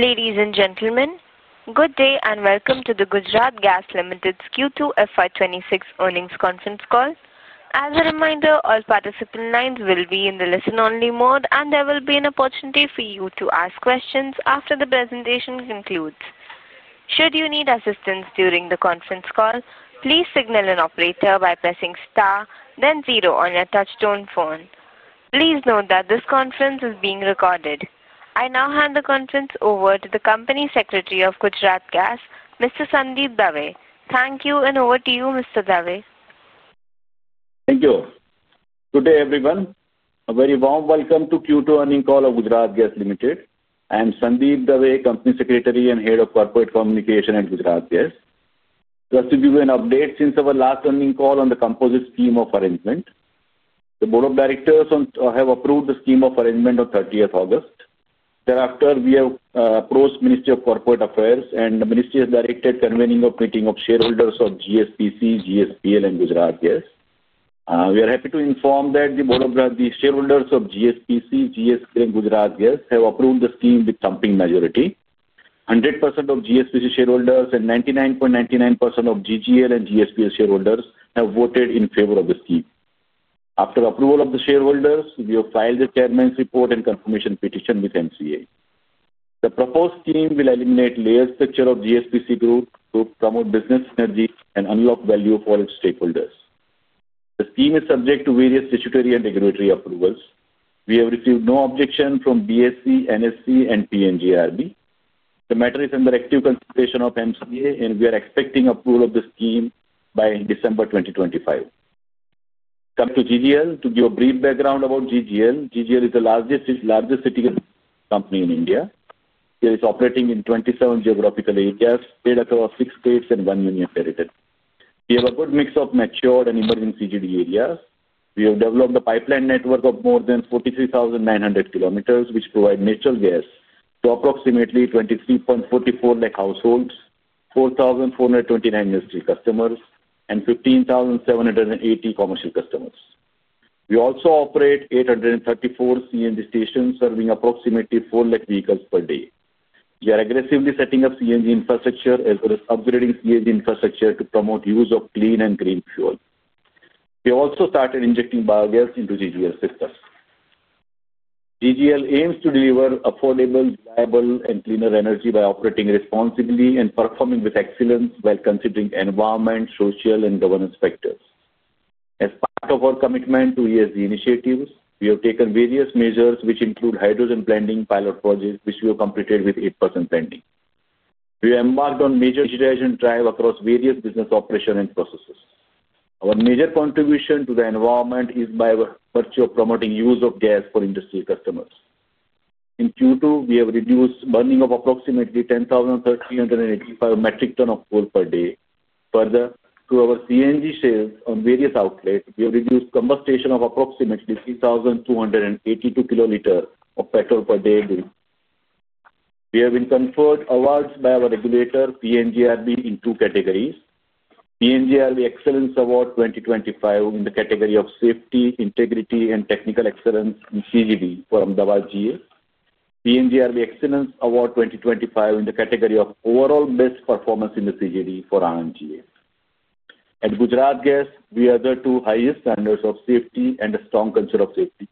Ladies and gentlemen, good day and welcome to the Gujarat Gas Limited's Q2 FY26 earnings conference call. As a reminder, all participants will be in the listen-only mode, and there will be an opportunity for you to ask questions after the presentation concludes. Should you need assistance during the conference call, please signal an operator by pressing star, then zero on your touch-tone phone. Please note that this conference is being recorded. I now hand the conference over to the Company Secretary of Gujarat Gas, Mr. Sandeep Dave. Thank you, and over to you, Mr. Dave. Thank you. Good day, everyone. A very warm welcome to Q2 earnings call of Gujarat Gas Limited. I am Sandeep Dave, Company Secretary and Head of Corporate Communication at Gujarat Gas. Just to give you an update, since our last earnings call on the composite scheme of arrangement, the Board of Directors have approved the scheme of arrangement on 30th August. Thereafter, we have approached the Ministry of Corporate Affairs, and the Ministry has directed a convening of meeting of shareholders of GSPC, GSPL, and Gujarat Gas. We are happy to inform that the shareholders of GSPC, GSPL, and Gujarat Gas have approved the scheme with a thumping majority. 100% of GSPC shareholders and 99.99% of GGL and GSPL shareholders have voted in favor of the scheme. After approval of the shareholders, we have filed the chairman's report and confirmation petition with MCA. The proposed scheme will eliminate the layered structure of the GSPC group to promote business synergy and unlock value for its stakeholders. The scheme is subject to various statutory and regulatory approvals. We have received no objections from BSE, NSE, and PNGRB. The matter is under active consideration of MCA, and we are expecting approval of the scheme by December 2025. Coming to GGL, to give a brief background about GGL, GGL is the largest city-based company in India. It is operating in 27 geographical areas, spread across six states and one union territory. We have a good mix of matured and emerging CGD areas. We have developed a pipeline network of more than 43,900 km, which provides natural gas to approximately 23.44 lakh households, 4,429 industrial customers, and 15,780 commercial customers. We also operate 834 CNG stations, serving approximately 4 lakh vehicles per day. We are aggressively setting up CNG infrastructure as well as upgrading CNG infrastructure to promote the use of clean and green fuel. We have also started injecting biogas into the GGL sector. GGL aims to deliver affordable, reliable, and cleaner energy by operating responsibly and performing with excellence while considering environmental, social, and governance factors. As part of our commitment to ESG initiatives, we have taken various measures, which include hydrogen planting pilot projects, which we have completed with 8% planting. We have embarked on major digitization drives across various business operations and processes. Our major contribution to the environment is by virtue of promoting the use of gas for industry customers. In Q2, we have reduced the burning of approximately 10,385 metric tons of coal per day. Further, through our CNG sales on various outlets, we have reduced the combustion of approximately 3,282 kl of petrol per day. We have been conferred awards by our regulator, PNGRB, in two categories: PNGRB Excellence Award 2025 in the category of Safety, Integrity, and Technical Excellence in CGD for Ahmedabad GA. PNGRB Excellence Award 2025 in the category of Overall Best Performance in the CGD for RNGA. At Gujarat Gas, we have the two highest standards of safety and a strong culture of safety.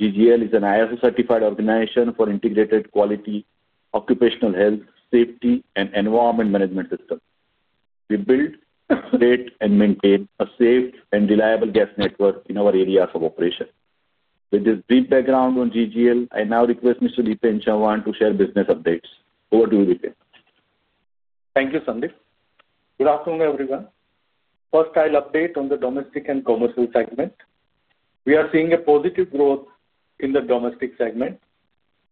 GGL is an ISO-certified organization for integrated quality, occupational health, safety, and environment management systems. We build, create, and maintain a safe and reliable gas network in our areas of operation. With this brief background on GGL, I now request Mr. Dipen Chauhan to share business updates. Over to you, Dipen. Thank you, Sandeep. Good afternoon, everyone. First, I'll update on the domestic and commercial segment. We are seeing a positive growth in the domestic segment.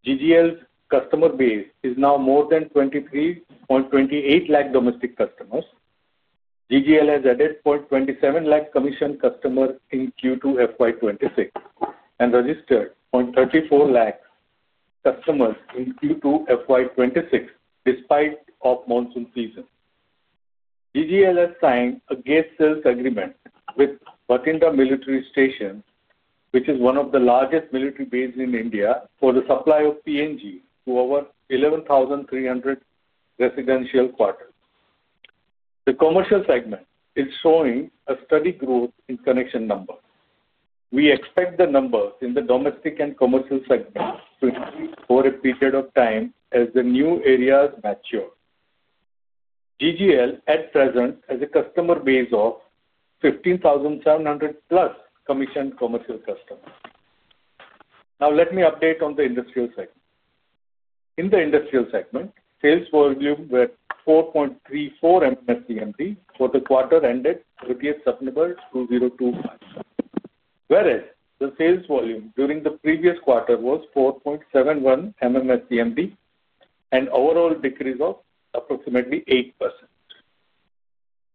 GGL's customer base is now more than 2.328 million domestic customers. GGL has added 27,000 commissioned customers in Q2 2026 and registered 34,000 customers in Q2 2026 despite the monsoon season. GGL has signed a gas sales agreement with Bathinda Military Station, which is one of the largest military bases in India, for the supply of PNG to over 11,300 residential quarters. The commercial segment is showing a steady growth in connection numbers. We expect the numbers in the domestic and commercial segments to increase over a period of time as the new areas mature. GGL, at present, has a customer base of 15,700 plus commissioned commercial customers. Now, let me update on the industrial segment. In the industrial segment, sales volume was 4.34 MMSCMD for the quarter ended 30th September 2025, whereas the sales volume during the previous quarter was 4.71 MMSCMD and overall decreased by approximately 8%.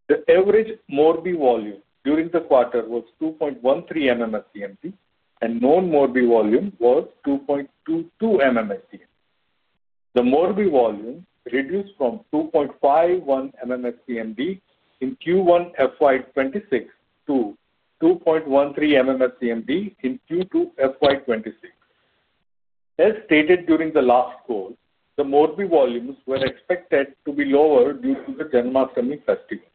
The average Morbi volume during the quarter was 2.13 MMSCMD, and known Morbi volume was 2.22 MMSCMD. The Morbi volume reduced from 2.51 MMSCMD in Q1 FY 2026 to 2.13 MMSCMD in Q2 FY 2026. As stated during the last call, the Morbi volumes were expected to be lower due to the Janmashtami festival.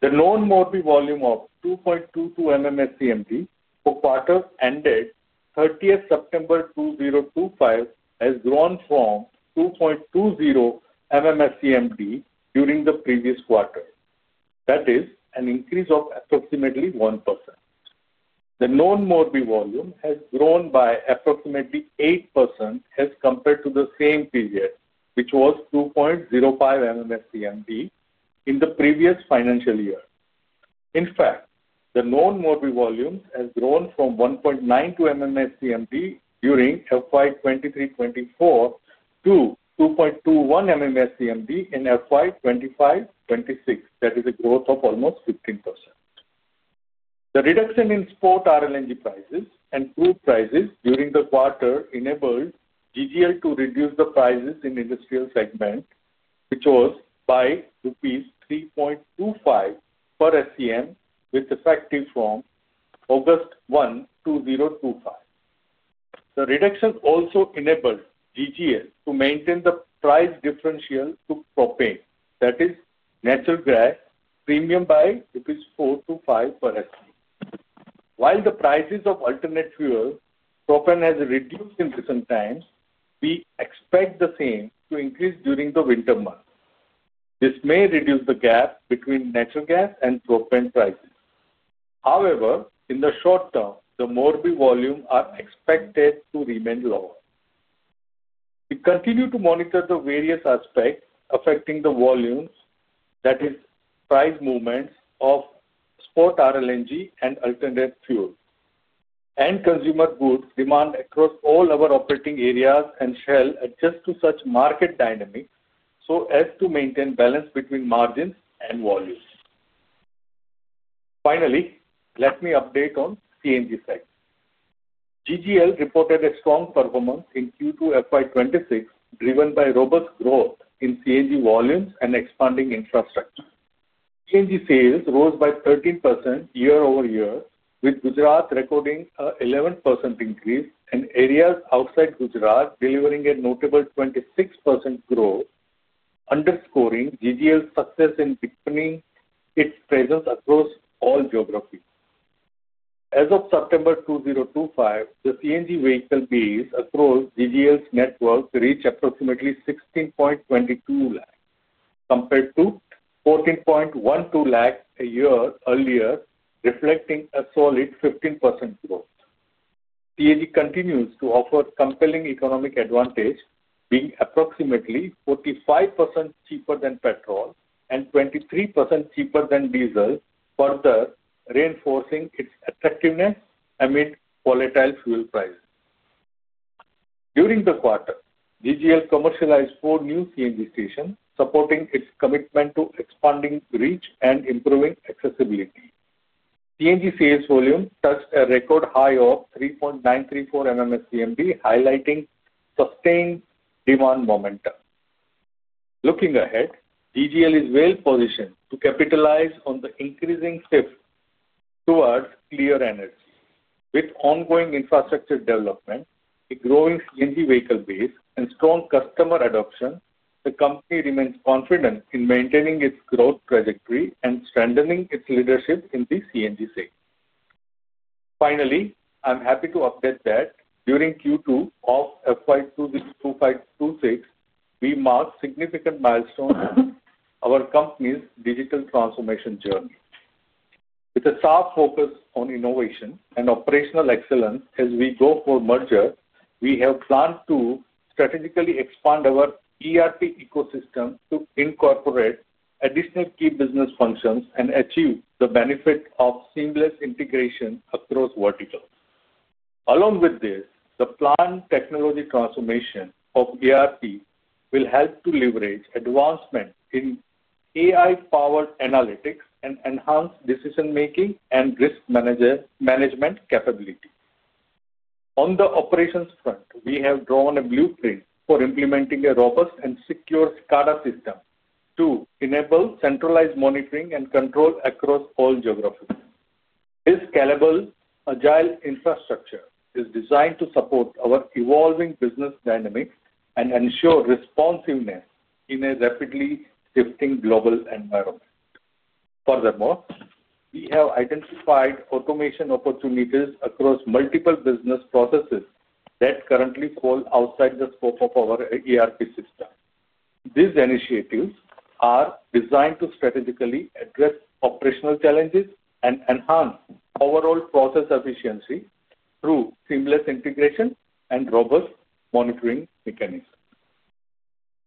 The known Morbi volume of 2.22 MMSCMD for the quarter ended 30th September 2025 has grown from 2.20 MMSCMD during the previous quarter. That is an increase of approximately 1%. The known Morbi volume has grown by approximately 8% as compared to the same period, which was 2.05 MMSCMD in the previous financial year. In fact, the known Morbi volume has grown from 1.92 MMSCMD during FY 2023-2024 to 2.21 MMSCMD in FY 2025-2026. That is a growth of almost 15%. The reduction in spot RLNG prices and crude prices during the quarter enabled GGL to reduce the prices in the industrial segment, which was by rupees 3.25 per SCM, with effect from August 1, 2025. The reduction also enabled GGL to maintain the price differential to propane. That is natural gas premium by rupees 4-5 per SCM. While the prices of alternate fuel propane have reduced in recent times, we expect the same to increase during the winter months. This may reduce the gap between natural gas and propane prices. However, in the short term, the Morbi volumes are expected to remain lower. We continue to monitor the various aspects affecting the volumes, that is, price movements of spot RLNG and alternate fuel and consumer goods demand across all our operating areas and shall adjust to such market dynamics so as to maintain balance between margins and volumes. Finally, let me update on the CNG segment. GGL reported a strong performance in Q2 FY 2026, driven by robust growth in CNG volumes and expanding infrastructure. CNG sales rose by 13% year-over-year, with Gujarat recording an 11% increase and areas outside Gujarat delivering a notable 26% growth, underscoring GGL's success in Dipening its presence across all geographies. As of September 2025, the CNG vehicle base across GGL's network reached approximately 16.22 lakh compared to 14.12 lakh a year earlier, reflecting a solid 15% growth. CNG continues to offer a compelling economic advantage, being approximately 45% cheaper than petrol and 23% cheaper than diesel, further reinforcing its attractiveness amid volatile fuel prices. During the quarter, GGL commercialized four new CNG stations, supporting its commitment to expanding reach and improving accessibility. CNG sales volume touched a record high of 3.934 MMSCMD, highlighting sustained demand momentum. Looking ahead, GGL is well positioned to capitalize on the increasing shift towards clear energy. With ongoing infrastructure development, a growing CNG vehicle base, and strong customer adoption, the company remains confident in maintaining its growth trajectory and strengthening its leadership in the CNG segment. Finally, I'm happy to update that during Q2 of FY 2026, we marked significant milestones on our company's digital transformation journey. With a sharp focus on innovation and operational excellence as we go for merger, we have planned to strategically expand our ERP ecosystem to incorporate additional key business functions and achieve the benefit of seamless integration across verticals. Along with this, the planned technology transformation of ERP will help to leverage advancements in AI-powered analytics and enhance decision-making and risk management capabilities. On the operations front, we have drawn a blueprint for implementing a robust and secure SCADA system to enable centralized monitoring and control across all geographies. This scalable, agile infrastructure is designed to support our evolving business dynamics and ensure responsiveness in a rapidly shifting global environment. Furthermore, we have identified automation opportunities across multiple business processes that currently fall outside the scope of our ERP system. These initiatives are designed to strategically address operational challenges and enhance overall process efficiency through seamless integration and robust monitoring mechanisms.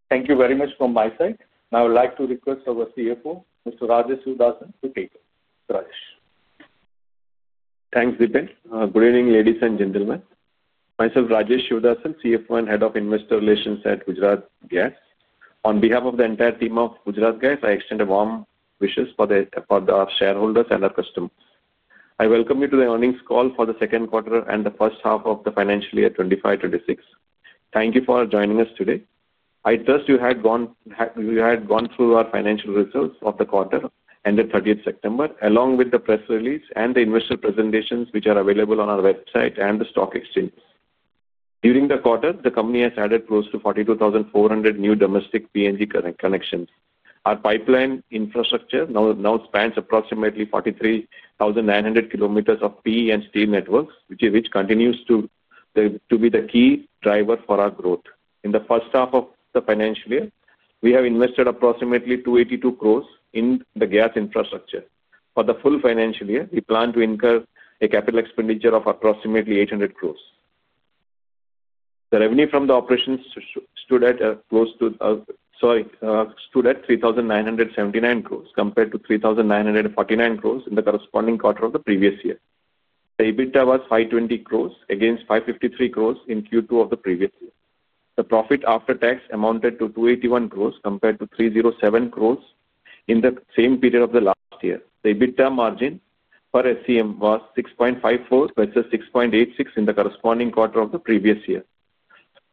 Thank you very much from my side. Now, I would like to request our CFO, Mr. Rajesh Sivadasan, to take over. Rajesh. Thanks, Dipen. Good evening, ladies and gentlemen. Myself, Rajesh Sivadasan, CFO and Head of Investor Relations at Gujarat Gas. On behalf of the entire team of Gujarat Gas, I extend warm wishes for our shareholders and our customers. I welcome you to the earnings call for the second quarter and the first half of the financial year 2025-2026. Thank you for joining us today. I trust you had gone through our financial results of the quarter ended 30th September, along with the press release and the investor presentations, which are available on our website and the stock exchanges. During the quarter, the company has added close to 42,400 new domestic PNG connections. Our pipeline infrastructure now spans approximately 43,900 km of PE and steel networks, which continues to be the key driver for our growth. In the first half of the financial year, we have invested approximately 282 crore in the gas infrastructure. For the full financial year, we plan to incur a capital expenditure of approximately 800 crore. The revenue from the operations stood at close to, sorry, stood at 3,979 crore compared to 3,949 crore in the corresponding quarter of the previous year. The EBITDA was 520 crore against 553 crore in Q2 of the previous year. The profit after tax amounted to 281 crore compared to 307 crore in the same period of the last year. The EBITDA margin per SCM was 6.54 versus 6.86 in the corresponding quarter of the previous year.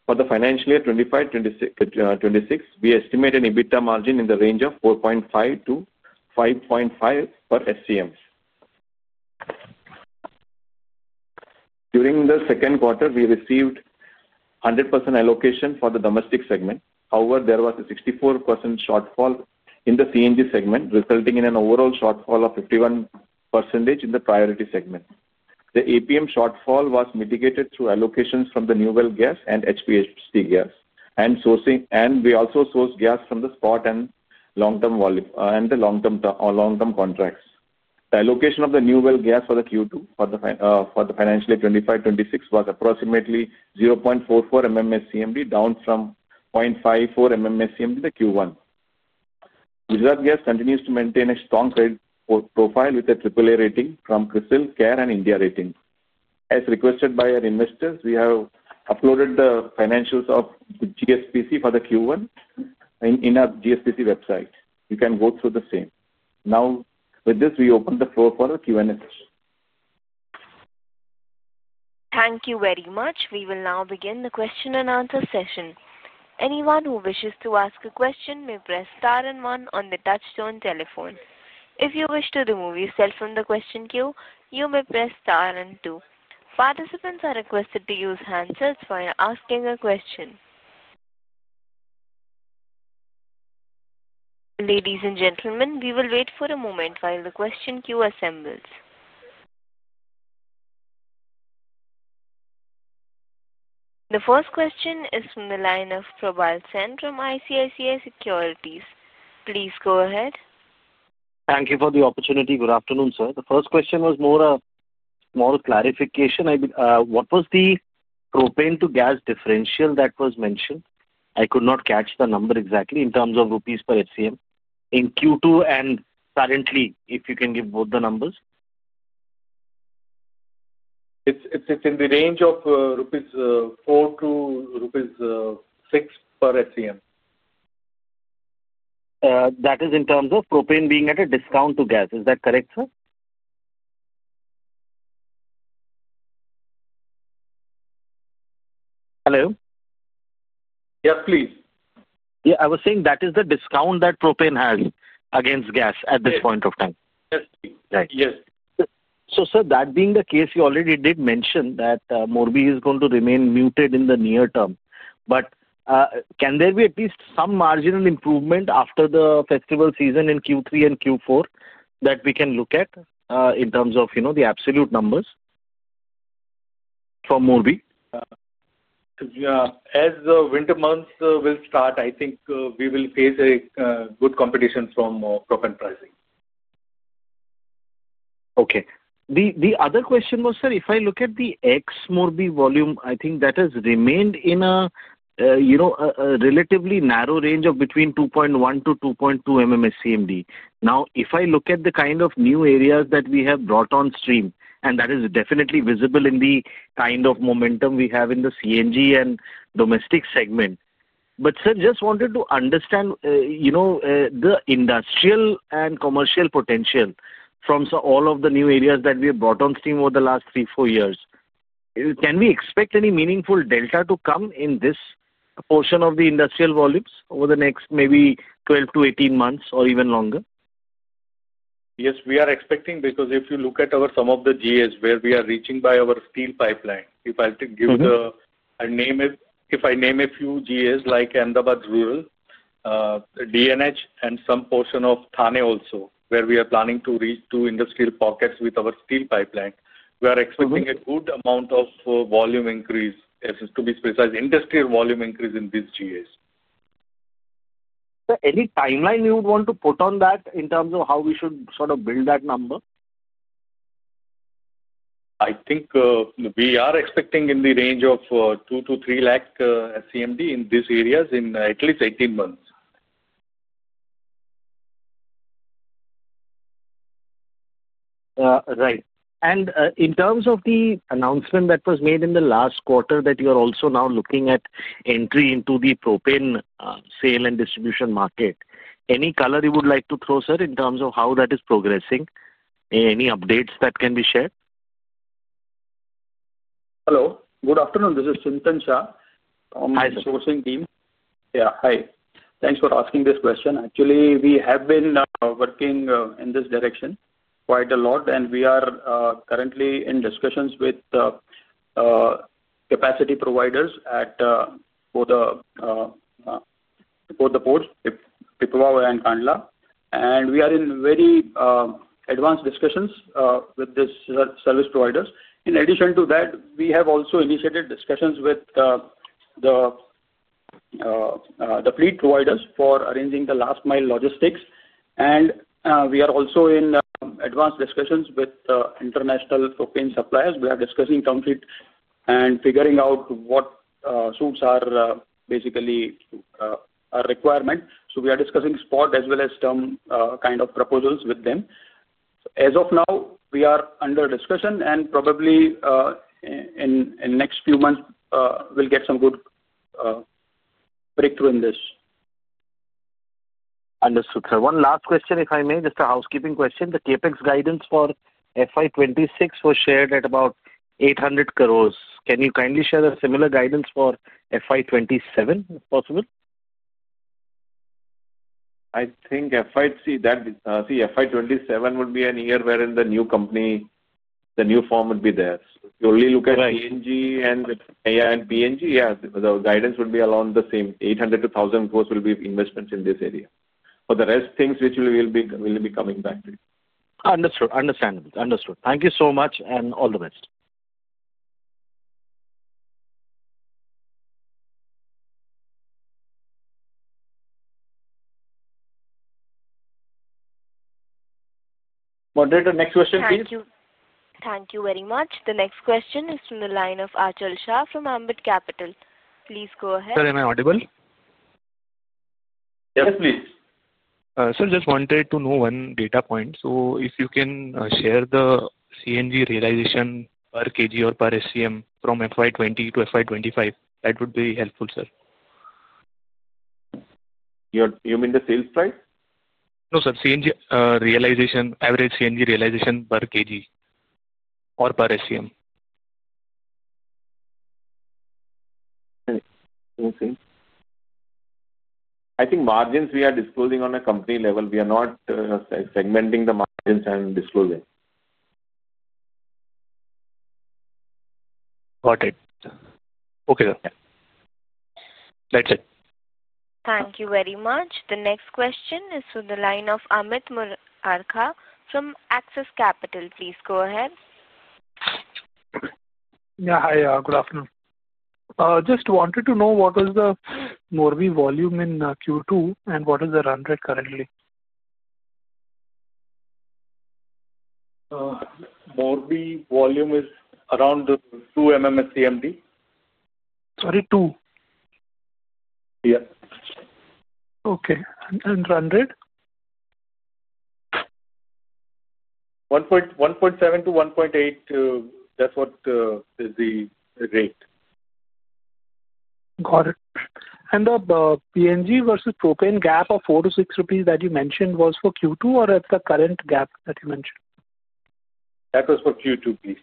For the financial year 2025-2026, we estimate an EBITDA margin in the range of 4.5-5.5 per SCM. During the second quarter, we received 100% allocation for the domestic segment. However, there was a 64% shortfall in the CNG segment, resulting in an overall shortfall of 51% in the priority segment. The APM shortfall was mitigated through allocations from the New Well Gas and HVAC gas, and we also sourced gas from the spot and long-term contracts. The allocation of the New Well Gas for the Q2 for the financial year 2025-2026 was approximately 0.44 MMSCMD, down from 0.54 MMSCMD in the Q1. Gujarat Gas continues to maintain a strong credit profile with a AAA rating from CRISIL, Care Ratings, and India Ratings & Research. As requested by our investors, we have uploaded the financials of GSPC for the Q1 on our GSPC website. You can go through the same. Now, with this, we open the floor for the Q&A session. Thank you very much. We will now begin the Q&A session. Anyone who wishes to ask a question may press star and one on the touchstone telephone. If you wish to remove yourself from the question queue, you may press star and two. Participants are requested to use handsets while asking a question. Ladies and gentlemen, we will wait for a moment while the question queue assembles. The first question is from the line of Probal Sen from ICICI Securities. Please go ahead. Thank you for the opportunity. Good afternoon, sir. The first question was more a small clarification. What was the propane to gas differential that was mentioned? I could not catch the number exactly in terms of rupees per SCM in Q2, and currently, if you can give both the numbers. It's in the range of 4-6 rupees per SCM. That is in terms of propane being at a discount to gas. Is that correct, sir? Hello? Yes, please. Yeah, I was saying that is the discount that propane has against gas at this point of time. Yes. Right. Yes. Sir, that being the case, you already did mention that Morbi is going to remain muted in the near term. Can there be at least some marginal improvement after the festival season in Q3 and Q4 that we can look at in terms of the absolute numbers for Morbi? As the winter months will start, I think we will face a good competition from propane pricing. Okay. The other question was, sir, if I look at the ex-Morbi volume, I think that has remained in a relatively narrow range of between 2.1-2.2 MMSCMD. Now, if I look at the kind of new areas that we have brought on stream, and that is definitely visible in the kind of momentum we have in the CNG and domestic segment. Sir, just wanted to understand the industrial and commercial potential from all of the new areas that we have brought on stream over the last three, four years. Can we expect any meaningful delta to come in this portion of the industrial volumes over the next maybe 12-18 months or even longer? Yes, we are expecting because if you look at some of the GAs where we are reaching by our steel pipeline, if I have to give the name is if I name a few GAs like Ahmedabad Rural, DNH, and some portion of Thane also, where we are planning to reach two industrial pockets with our steel pipeline, we are expecting a good amount of volume increase, to be precise, industrial volume increase in these GAs. Sir, any timeline you would want to put on that in terms of how we should sort of build that number? I think we are expecting in the range of 200,000-300,000 SCMD in these areas in at least 18 months. Right. In terms of the announcement that was made in the last quarter that you are also now looking at entry into the propane sale and distribution market, any color you would like to throw, sir, in terms of how that is progressing? Any updates that can be shared? Hello. Good afternoon. This is Chintan Shah from the sourcing team. Hi. Yeah, hi. Thanks for asking this question. Actually, we have been working in this direction quite a lot, and we are currently in discussions with capacity providers for the port, Pipavav and Kandla. We are in very advanced discussions with these service providers. In addition to that, we have also initiated discussions with the fleet providers for arranging the last-mile logistics. We are also in advanced discussions with international propane suppliers. We are discussing term sheet and figuring out what suits are basically a requirement. We are discussing spot as well as term kind of proposals with them. As of now, we are under discussion, and probably in the next few months, we'll get some good breakthrough in this. Understood, sir. One last question, if I may, just a housekeeping question. The CAPEX guidance for FY 2026 was shared at about INR 800 crore. Can you kindly share a similar guidance for FY 2027, if possible? I think FY 2027 would be an year wherein the new company, the new form would be there. If you only look at PNG and PNG, yeah, the guidance would be along the same. 800 crore-1,000 crore will be investments in this area. For the rest things, we will be coming back to you. Understood. Understandable. Thank you so much and all the best. Moderator, next question, please. Thank you. Thank you very much. The next question is from the line of Achal Shah from Ambit Capital. Please go ahead. Sir, am I audible? Yes, please. Sir, just wanted to know one data point. If you can share the CNG realization per kg or per SCM from FY 2020 to FY 2025, that would be helpful, sir. You mean the sales price? No, sir. CNG realization, average CNG realization per kg or per SCM? Okay. I think margins we are disclosing on a company level. We are not segmenting the margins and disclosing. Got it. Okay, sir. That's it. Thank you very much. The next question is from the line of Amit Muraka from Axis Capital. Please go ahead. Yeah, hi. Good afternoon. Just wanted to know what was the Morbi volume in Q2 and what is the run rate currently? Morbi volume is around 2 MMSCMD. Sorry, 2? Yeah. Okay. And run rate? 1.7-1.8. That's what is the rate. Got it. The PNG versus propane gap of 4-6 rupees that you mentioned was for Q2 or at the current gap that you mentioned? That was for Q2, please.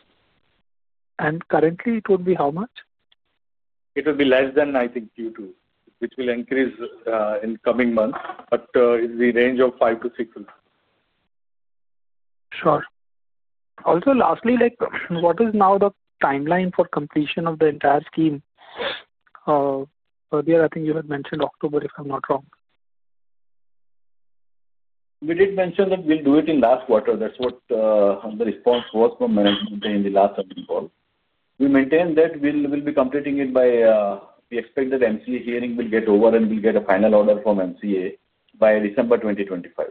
Currently, it would be how much? It will be less than, I think, Q2, which will increase in coming months, but in the range of 5- 6. Sure. Also, lastly, what is now the timeline for completion of the entire scheme? Earlier, I think you had mentioned October, if I'm not wrong. We did mention that we'll do it in last quarter. That's what the response was from management in the last summit call. We maintain that we'll be completing it by we expect that MCA hearing will get over and we'll get a final order from MCA by December 2025.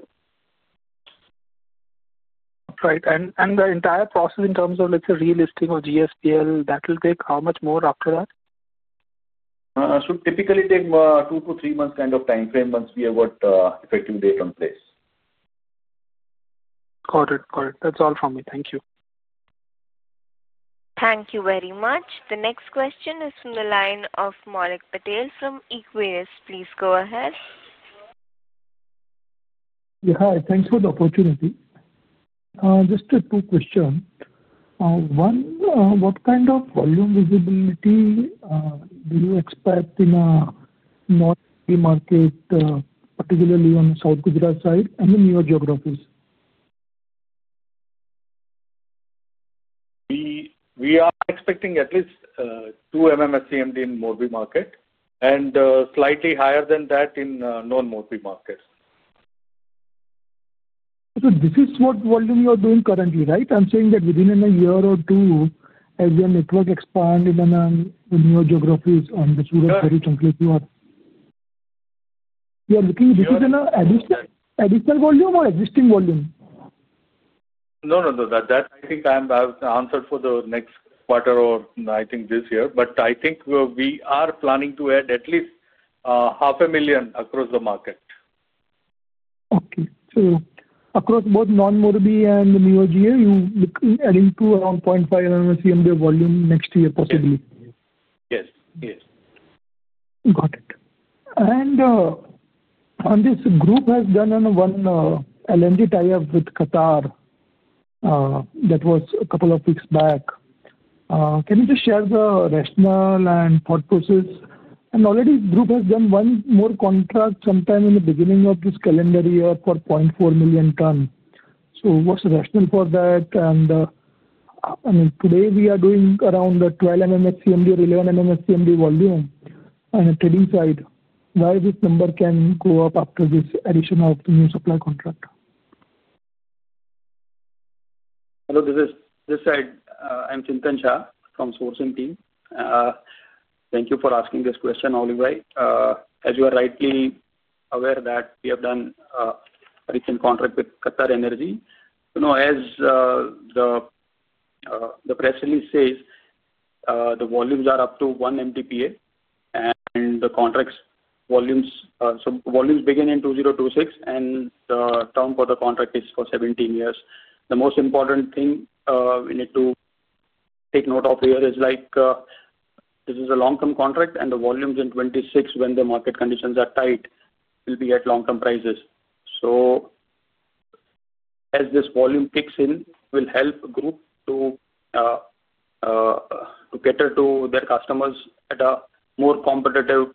Right. The entire process in terms of, let's say, relisting of GSPL, that will take how much more after that? Should typically take two to three months kind of timeframe once we have got effective date on place. Got it. Got it. That's all from me. Thank you. Thank you very much. The next question is from the line of Maulik Patel from Equirus. Please go ahead. Yeah, hi. Thanks for the opportunity. Just two questions. One, what kind of volume visibility do you expect in a non-market, particularly on the South Gujarat side and the newer geographies? We are expecting at least 2 MMSCMD in Morbi market and slightly higher than that in non-Morbi markets. This is what volume you are doing currently, right? I'm saying that within a year or two, as your network expands in the newer geographies on the [Surat, peri, Chankleshwar]? Yes. You are looking at this as an additional volume or existing volume? No, no, no. That I think I've answered for the next quarter or I think this year. I think we are planning to add at least 500,000 across the market. Okay. So across both non-Morbi and the newer GA, you're looking at into around 0.5 MMSCMD volume next year, possibly? Yes. Yes. Got it. This group has done one LNG tie-up with Qatar that was a couple of weeks back. Can you just share the rationale and thought process? Already, the group has done one more contract sometime in the beginning of this calendar year for 0.4 million ton. What is the rationale for that? Today, we are doing around 12 MMSCMD or 11 MMSCMD volume on the trading side. Why can this number go up after this addition of the new supply contract? Hello, this is Chintan. I'm Chintan Shah from the sourcing team. Thank you for asking this question, Aulivai. As you are rightly aware, we have done a recent contract with Qatar Energy. As the press release says, the volumes are up to 1 MTPA, and the contract volumes begin in 2026, and the term for the contract is for 17 years. The most important thing we need to take note of here is this is a long-term contract, and the volumes in 2026, when the market conditions are tight, will be at long-term prices. As this volume kicks in, it will help the group to cater to their customers at a more competitive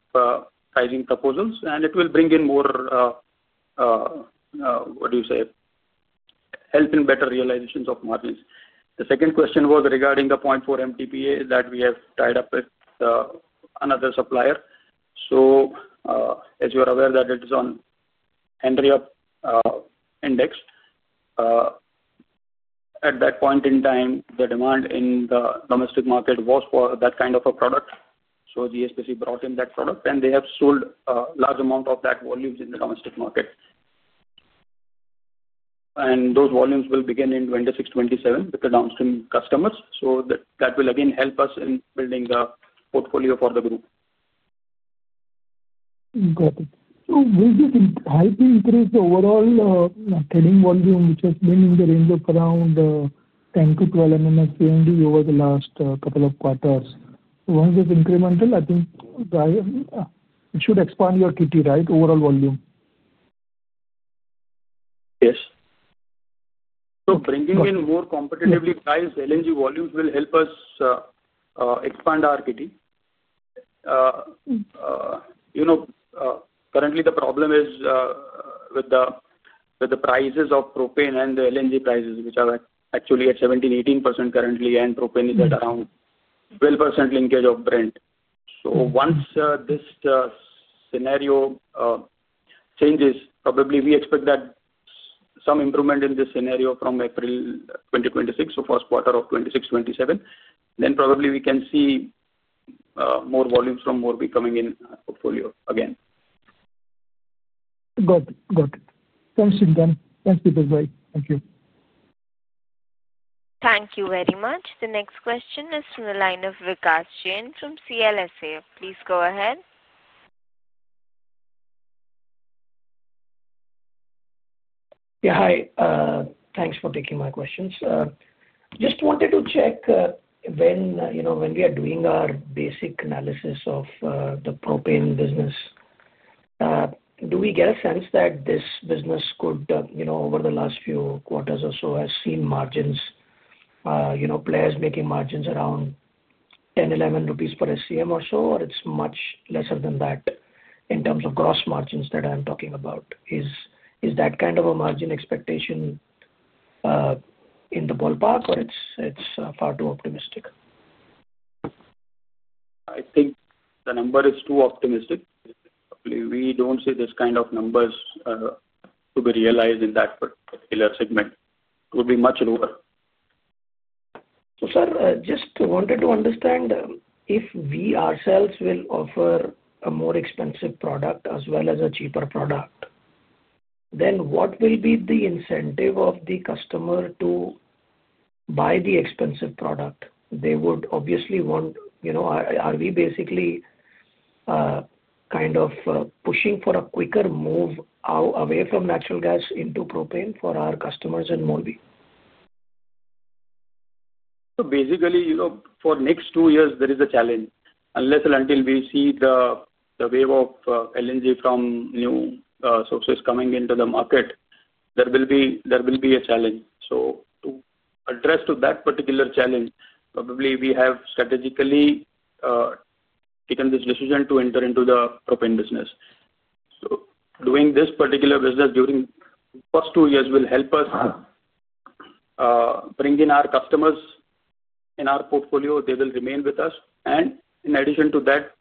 pricing proposals, and it will bring in more, what do you say, help in better realizations of margins. The second question was regarding the 0.4 MTPA that we have tied up with another supplier. As you are aware, it is on Henry Hub Index. At that point in time, the demand in the domestic market was for that kind of a product. GSPC brought in that product, and they have sold a large amount of that volume in the domestic market. Those volumes will begin in 2026-2027 with the downstream customers. That will again help us in building the portfolio for the group. Got it. So will this highly increase the overall trading volume, which has been in the range of around 10-12 MMSCMD over the last couple of quarters? Once it's incremental, I think it should expand your KT, right, overall volume? Yes. Bringing in more competitively priced LNG volumes will help us expand our KT. Currently, the problem is with the prices of propane and the LNG prices, which are actually at 17%-18% currently, and propane is at around 12% linkage of Brent. Once this scenario changes, probably we expect that some improvement in this scenario from April 2026, so first quarter of 2026-2027. Then probably we can see more volumes from Morbi coming in portfolio again. Got it. Got it. Thanks, Shintan. Thanks, Dipen. Thank you. Thank you very much. The next question is from the line of Vikash Jain from CLSA. Please go ahead. Yeah, hi. Thanks for taking my questions. Just wanted to check, when we are doing our basic analysis of the propane business, do we get a sense that this business could, over the last few quarters or so, have seen margins, players making margins around 10-11 rupees per SCM or so, or it's much lesser than that in terms of gross margins that I'm talking about? Is that kind of a margin expectation in the ballpark, or it's far too optimistic? I think the number is too optimistic. We don't see this kind of numbers to be realized in that particular segment. It would be much lower. Sir, just wanted to understand if we ourselves will offer a more expensive product as well as a cheaper product, then what will be the incentive of the customer to buy the expensive product? They would obviously want—are we basically kind of pushing for a quicker move away from natural gas into propane for our customers in Morbi? Basically, for the next two years, there is a challenge. Unless and until we see the wave of LNG from new sources coming into the market, there will be a challenge. To address that particular challenge, probably we have strategically taken this decision to enter into the propane business. Doing this particular business during the first two years will help us bring in our customers in our portfolio. They will remain with us. In addition to that,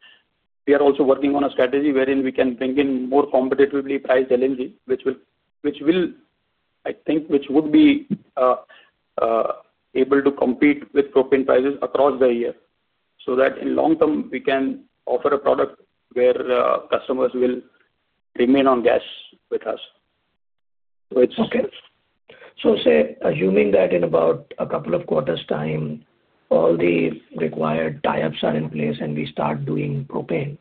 we are also working on a strategy wherein we can bring in more competitively priced LNG, which would be able to compete with propane prices across the year. That way, in the long term, we can offer a product where customers will remain on gas with us. Okay. So say, assuming that in about a couple of quarters' time, all the required tie-ups are in place and we start doing propane,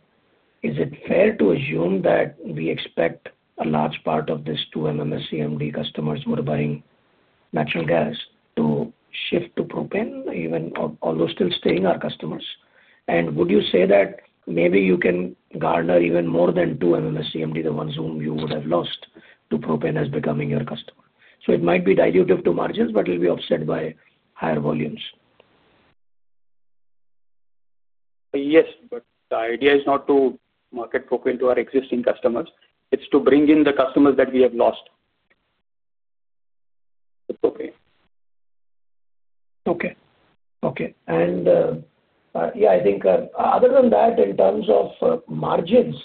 is it fair to assume that we expect a large part of these 2 MMSCMD customers who are buying natural gas to shift to propane, even although still staying our customers? Would you say that maybe you can garner even more than 2 MMSCMD, the ones whom you would have lost, to propane as becoming your customer? It might be dilutive to margins, but it will be offset by higher volumes. Yes. The idea is not to market propane to our existing customers. It's to bring in the customers that we have lost with propane. Okay. Okay. Yeah, I think other than that, in terms of margins,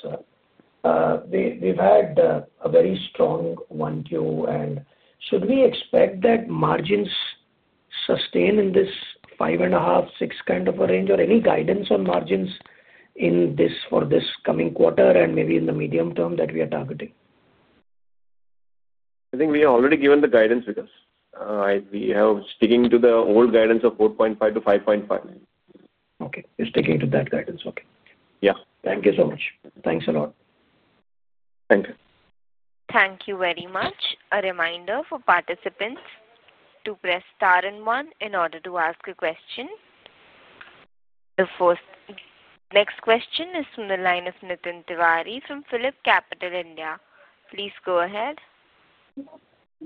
we've had a very strong Q1. Should we expect that margins sustain in this 5.5-6 kind of a range, or any guidance on margins for this coming quarter and maybe in the medium term that we are targeting? I think we are already given the guidance because we are sticking to the old guidance of 4.5-5.5. Okay. You're sticking to that guidance. Okay. Yeah. Thank you so much. Thanks a lot. Thank you. Thank you very much. A reminder for participants to press star and one in order to ask a question. The next question is from the line of Nitin Tiwar from PhilipCapital India. Please go ahead.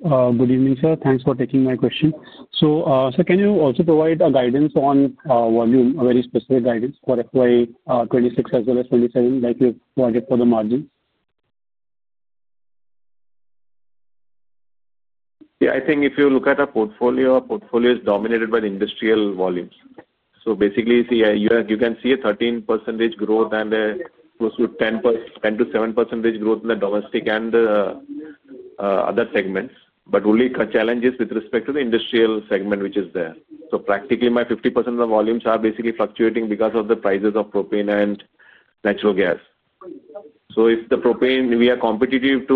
Good evening, sir. Thanks for taking my question. Sir, can you also provide a guidance on volume, a very specific guidance for FY 2026 as well as 2027, like you have wanted for the margins? Yeah. I think if you look at a portfolio, a portfolio is dominated by the industrial volumes. Basically, you can see a 13% rate growth and close to 10%-7% rate growth in the domestic and other segments, but only challenges with respect to the industrial segment, which is there. Practically, my 50% of the volumes are basically fluctuating because of the prices of propane and natural gas. If the propane, we are competitive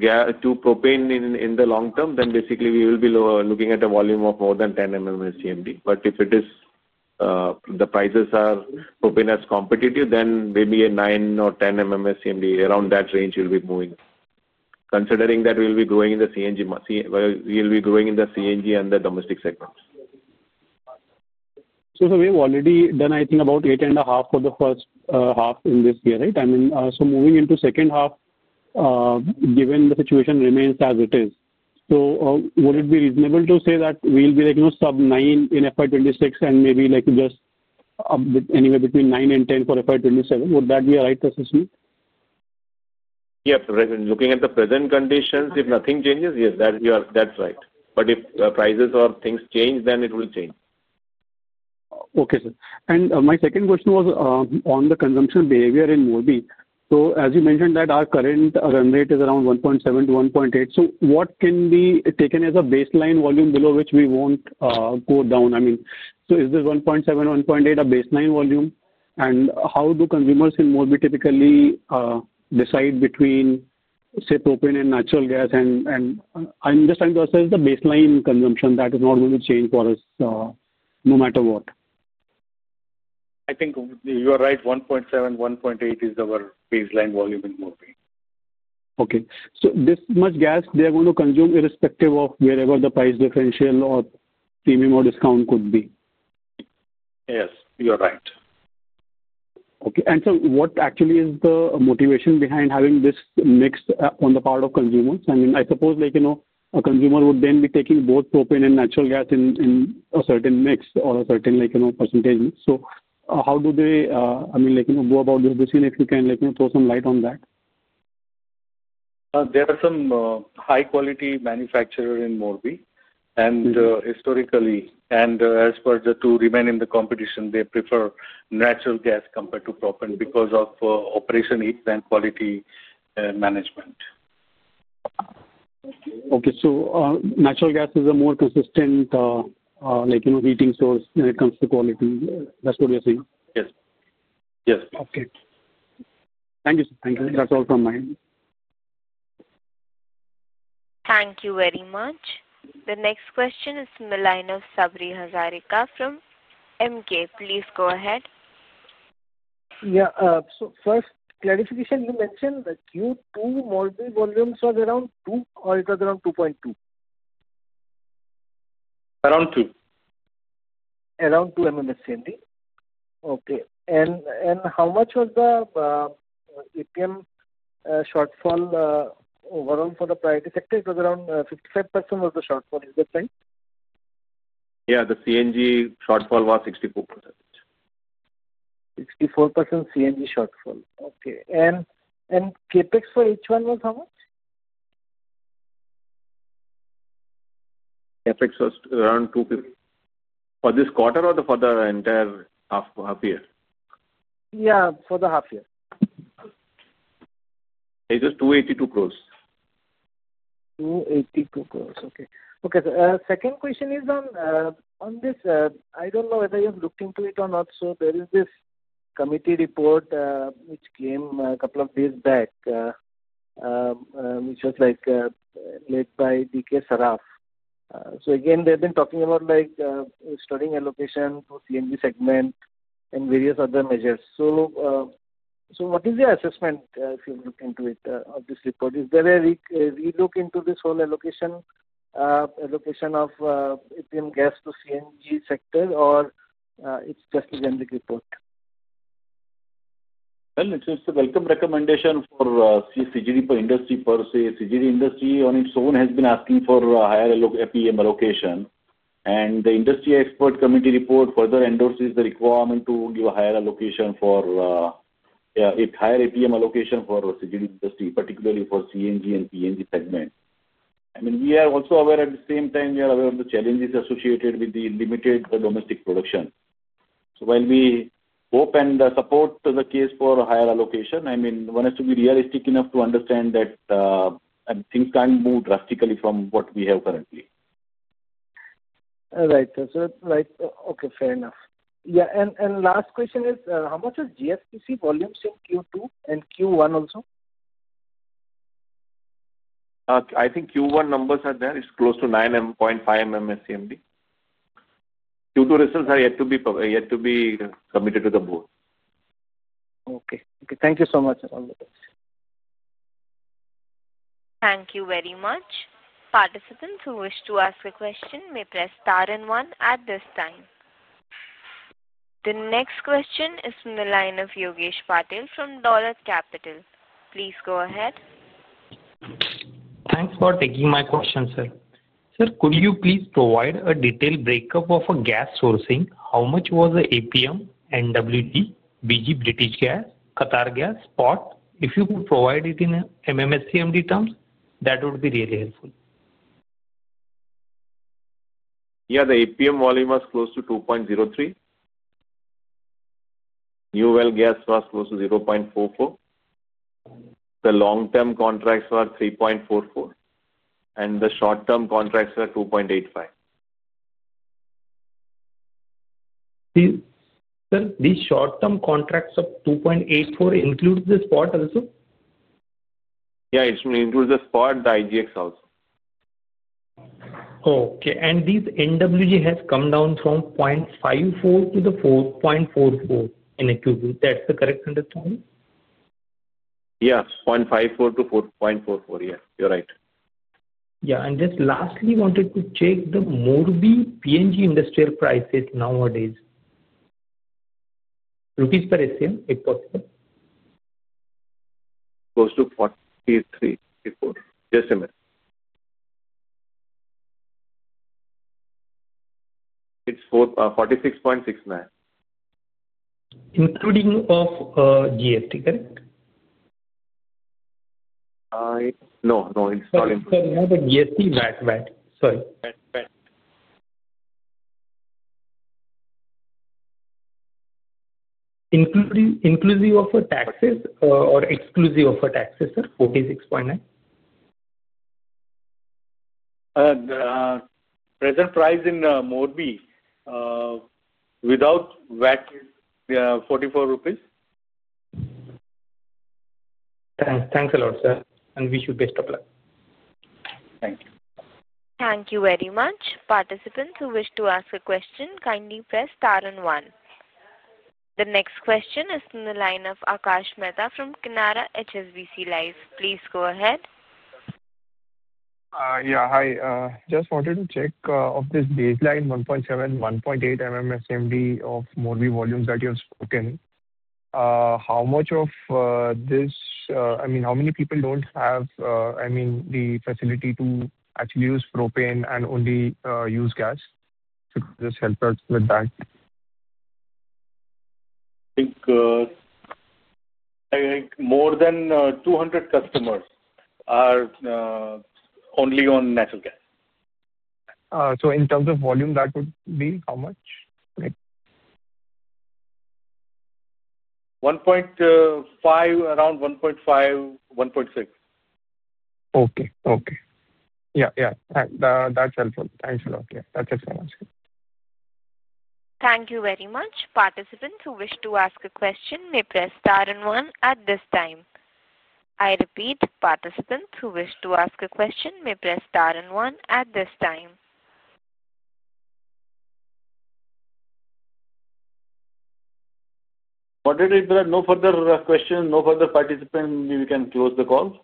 to propane in the long term, then basically, we will be looking at a volume of more than 10 MMSCMD. If the prices are propane as competitive, then maybe a 9 or 10 MMSCMD, around that range will be moving. Considering that we will be growing in the CNG, we will be growing in the CNG and the domestic segments. Sir, we have already done, I think, about 8.5 for the first half in this year, right? I mean, moving into the second half, given the situation remains as it is, would it be reasonable to say that we'll be sub-9 in FY 2026 and maybe just anywhere between 9-10 for FY 2027? Would that be a right assessment? Yes. Looking at the present conditions, if nothing changes, yes, that's right. If prices or things change, then it will change. Okay, sir. My second question was on the consumption behavior in Morbi. As you mentioned, our current run rate is around 1.7-1.8. What can be taken as a baseline volume below which we will not go down? I mean, is this 1.7-1.8 a baseline volume? How do consumers in Morbi typically decide between, say, propane and natural gas? I am just trying to assess the baseline consumption that is not going to change for us no matter what. I think you are right. 1.7, 1.8 is our baseline volume in Morbi. Okay. So this much gas they are going to consume irrespective of wherever the price differential or premium or discount could be? Yes. You are right. Okay. Sir, what actually is the motivation behind having this mix on the part of consumers? I mean, I suppose a consumer would then be taking both propane and natural gas in a certain mix or a certain percentage. How do they, I mean, go about this decision if you can throw some light on that? There are some high-quality manufacturers in Morbi, and historically, and as per the two remain in the competition, they prefer natural gas compared to propane because of operation heat and quality management. Okay. So natural gas is a more consistent heating source when it comes to quality. That's what you're saying? Yes. Yes. Okay. Thank you, sir. Thank you. That's all from my end. Thank you very much. The next question is from the line of Sabri Hazarika from Emkay. Please go ahead. Yeah. So first clarification, you mentioned that Q2 Morbi volumes was around 2 or it was around 2.2? Around 2. Around 2 MMSCMD. Okay. And how much was the APM shortfall overall for the priority sector? It was around 55% was the shortfall. Is that right? Yeah. The CNG shortfall was 64%. 64% CNG shortfall. Okay. And CapEx for each one was how much? CapEx was around 2 for this quarter or for the entire half year? Yeah, for the half year. It was 282 crore. 282 crores. Okay. Okay. Second question is on this. I do not know whether you have looked into it or not. There is this committee report which came a couple of days back, which was led by D.K. Saraaf. Again, they have been talking about studying allocation to CNG segment and various other measures. What is your assessment if you look into it of this report? Is there a re-look into this whole allocation of APM gas to CNG sector, or is it just a generic report? It's a welcome recommendation for the CGD industry per se. CGD industry on its own has been asking for higher APM allocation. The industry expert committee report further endorses the requirement to give a higher allocation for a higher APM allocation for the CGD industry, particularly for the CNG and PNG segment. I mean, we are also aware at the same time we are aware of the challenges associated with the limited domestic production. While we hope and support the case for a higher allocation, I mean, one has to be realistic enough to understand that things can't move drastically from what we have currently. Right. Okay. Fair enough. Yeah. Last question is, how much is GSPC volumes in Q2 and Q1 also? I think Q1 numbers are there. It's close to 9.5 MMSCMD. Q2 results are yet to be submitted to the board. Okay. Okay. Thank you so much, sir. Thank you very much. Participants who wish to ask a question may press star and one at this time. The next question is from the line of Yogesh Patil from Dollard Capital. Please go ahead. Thanks for taking my question, sir. Sir, could you please provide a detailed breakup of gas sourcing? How much was the APM, NWT, BG British Gas, Qatar Gas, POT? If you could provide it in MMSCMD terms, that would be really helpful. Yeah. The APM volume was close to 2.03. New well gas was close to 0.44. The long-term contracts were 3.44, and the short-term contracts were 2.85. Sir, these short-term contracts of 2.84 include the spot also? Yeah. It includes the spot, the IGX also. Okay. And this NWG has come down from 0.54 to 0.44 in Q2. That's the correct understanding? Yeah. 0.54 to 4.44. Yes. You're right. Yeah. And just lastly, wanted to check the Morbi PNG industrial prices nowadays, rupees per SCM, if possible. Close to 43. Just a minute. It's 46.69. Including of GST, correct? No. No. It's not included. Sorry. Not the GST, VAT. VAT. Sorry. VAT. Inclusive of taxes, or exclusive of taxes, sir? 46.9? Present price in Morbi without VAT is INR 44. Thanks a lot, sir. We wish you best of luck. Thank you. Thank you very much. Participants who wish to ask a question, kindly press star and one. The next question is from the line of Akash Mehta from Kinnara HSBC Life. Please go ahead. Yeah. Hi. Just wanted to check of this baseline 1.7-1.8 MMSCMD of Morbi volumes that you have spoken, how much of this, I mean, how many people do not have, I mean, the facility to actually use propane and only use gas? Just help us with that. I think more than 200 customers are only on natural gas. In terms of volume, that would be how much? Around 1.5-1.6. Okay. Yeah. That's helpful. Thanks a lot. Yeah. That's helpful. Thank you very much. Participants who wish to ask a question may press star and one at this time. I repeat, participants who wish to ask a question may press star and one at this time. Got it. If there are no further questions, no further participants, we can close the call.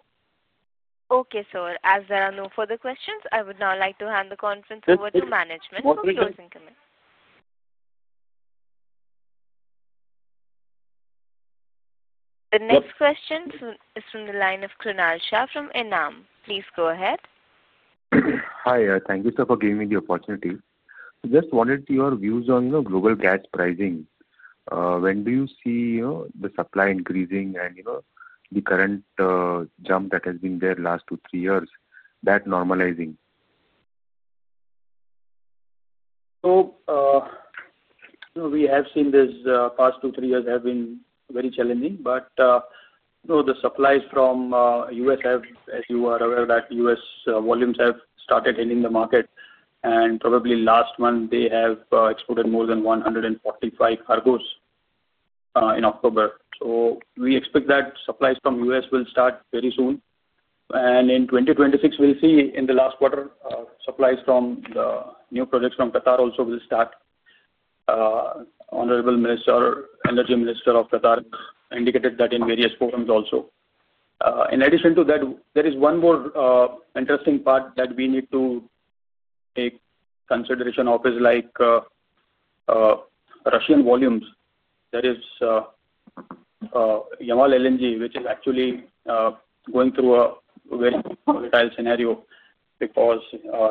Okay, sir. As there are no further questions, I would now like to hand the conference over to management. Okay. Thank you. The next question is from the line of Krunal Shah from ENAM. Please go ahead. Hi. Thank you, sir, for giving me the opportunity. Just wanted your views on global gas pricing. When do you see the supply increasing and the current jump that has been there last two to three years, that normalizing? We have seen these past two to three years have been very challenging. The supplies from the U.S. have, as you are aware, U.S. volumes have started hitting the market. Probably last month, they exported more than 145 cargoes in October. We expect that supplies from the U.S. will start very soon. In 2026, we will see in the last quarter, supplies from the new projects from Qatar also will start. Honorable Energy Minister of Qatar indicated that in various forums also. In addition to that, there is one more interesting part that we need to take consideration of, which is Russian volumes. There is Yamal LNG, which is actually going through a very volatile scenario because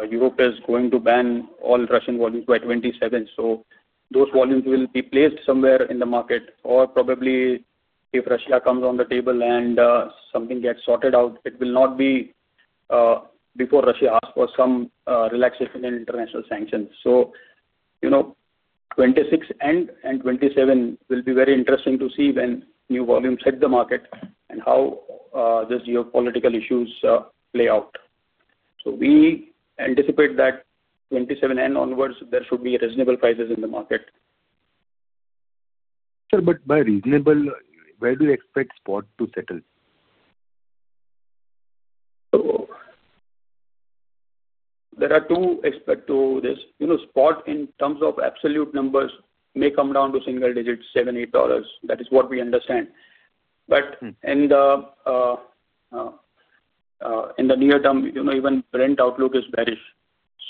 Europe is going to ban all Russian volumes by 2027. Those volumes will be placed somewhere in the market. Or probably if Russia comes on the table and something gets sorted out, it will not be before Russia asks for some relaxation in international sanctions. Twenty twenty-six and twenty twenty-seven will be very interesting to see when new volumes hit the market and how these geopolitical issues play out. We anticipate that twenty twenty-seven and onwards, there should be reasonable prices in the market. Sir, by reasonable, where do you expect spot to settle? There are two aspects to this. Spot in terms of absolute numbers may come down to single-digits, $7, $8. That is what we understand. In the near term, even current outlook is bearish.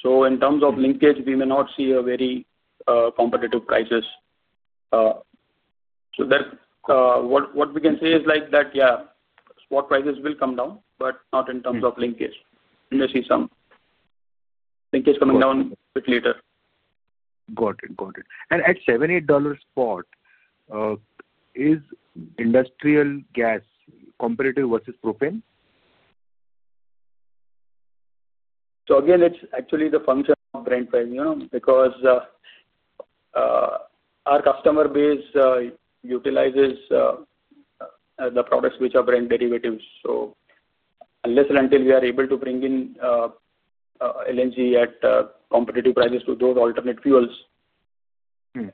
In terms of linkage, we may not see very competitive prices. What we can say is that, yeah, spot prices will come down, but not in terms of linkage. We may see some linkage coming down a bit later. Got it. Got it. At $7-8 spot, is industrial gas competitive versus propane? Again, it's actually the function of brand pricing because our customer base utilizes the products which are brand derivatives. Unless and until we are able to bring in LNG at competitive prices to those alternate fuels,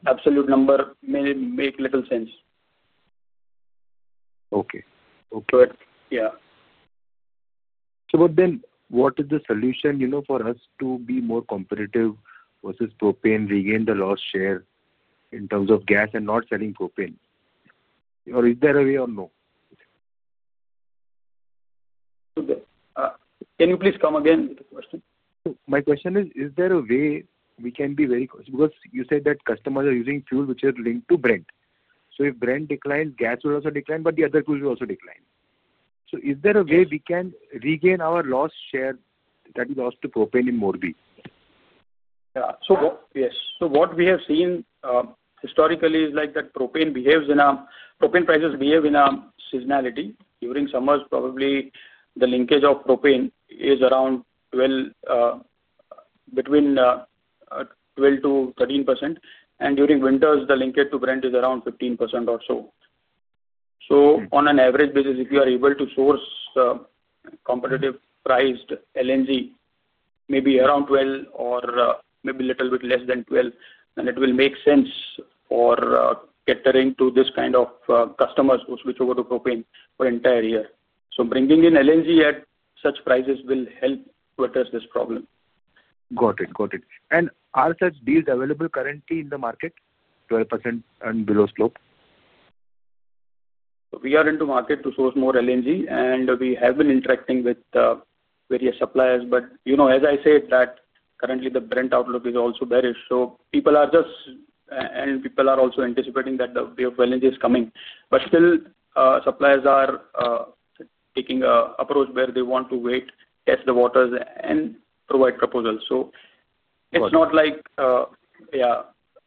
absolute number may make little sense. Okay. Okay. Yeah. Then what is the solution for us to be more competitive versus propane, regain the loss share in terms of gas and not selling propane? Or is there a way or no? Can you please come again with the question? My question is, is there a way we can be very, because you said that customers are using fuel which is linked to Brent. If Brent declines, gas will also decline, but the other fuel will also decline. Is there a way we can regain our loss share that we lost to propane in Morbi? Yeah. Yes. What we have seen historically is that propane prices behave in a seasonality. During summers, probably the linkage of propane is around 12-13%. During winters, the linkage to Brent is around 15% or so. On an average basis, if you are able to source competitively priced LNG, maybe around $12 or maybe a little bit less than $12, then it will make sense for catering to this kind of customers who switch over to propane for the entire year. Bringing in LNG at such prices will help to address this problem. Got it. Got it. Are such deals available currently in the market? 12% and below slope? We are into market to source more LNG, and we have been interacting with various suppliers. As I said, currently the brand outlook is also bearish. People are just, and people are also anticipating that the wave of LNG is coming. Still, suppliers are taking an approach where they want to wait, test the waters, and provide proposals. It is not like, yeah,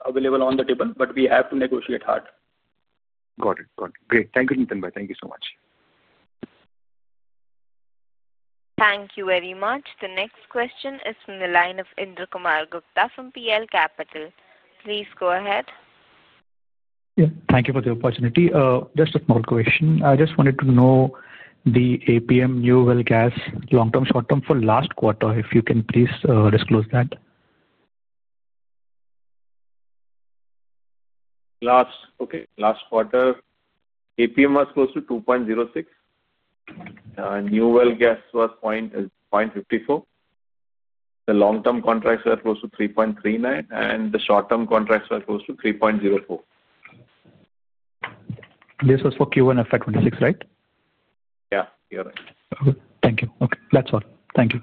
available on the table, but we have to negotiate hard. Got it. Got it. Great. Thank you, [Nithinbhai]. Thank you so much. Thank you very much. The next question is from the line of Indra Kumar Gupta from PL Capital. Please go ahead. Yeah. Thank you for the opportunity. Just a small question. I just wanted to know the APM new well gas long-term, short-term for last quarter, if you can please disclose that. Last quarter, APM was close to 2.06. New well gas was 0.54. The long-term contracts were close to 3.39, and the short-term contracts were close to 3.04. This was for Q1 FY 2026, right? Yeah. You're right. Okay. Thank you. Okay. That's all. Thank you.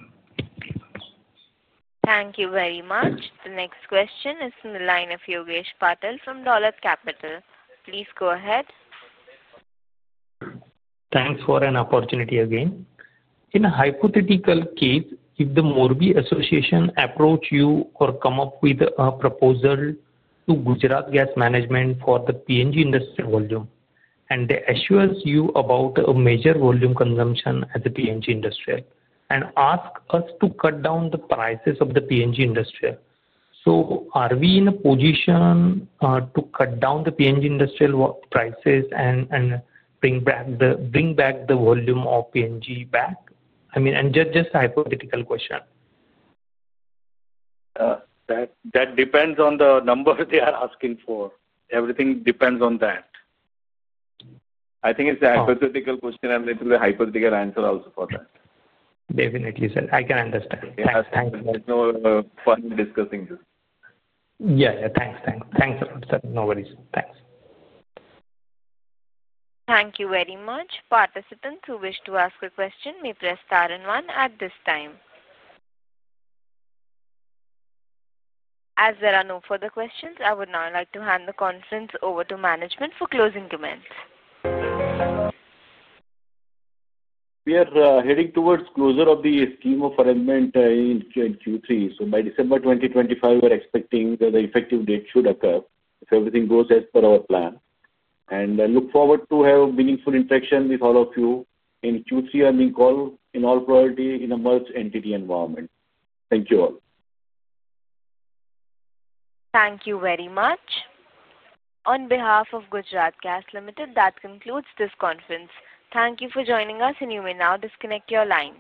Thank you very much. The next question is from the line of Yogesh Patil from Dollard Capital. Please go ahead. Thanks for an opportunity again. In a hypothetical case, if the Morbi association approach you or come up with a proposal to Gujarat Gas management for the PNG industrial volume and they assure you about a major volume consumption at the PNG industrial and ask us to cut down the prices of the PNG industrial, are we in a position to cut down the PNG industrial prices and bring back the volume of PNG back? I mean, just a hypothetical question. That depends on the number they are asking for. Everything depends on that. I think it's a hypothetical question, and it will be a hypothetical answer also for that. Definitely, sir. I can understand. Thank you. Yeah. There's no point in discussing this. Yeah. Thanks a lot, sir. No worries. Thanks. Thank you very much. Participants who wish to ask a question may press star and one at this time. As there are no further questions, I would now like to hand the conference over to management for closing comments. We are heading towards closure of the scheme of arrangement in Q3. By December 2025, we are expecting that the effective date should occur if everything goes as per our plan. I look forward to have a meaningful interaction with all of you in Q3 and in all priority in a merged entity environment. Thank you all. Thank you very much. On behalf of Gujarat Gas Limited, that concludes this conference. Thank you for joining us, and you may now disconnect your lines.